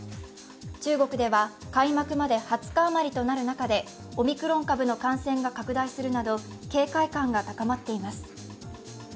中国では開幕まで２０日余りとなる中でオミクロン株の感染が拡大するなど警戒感が高まっています。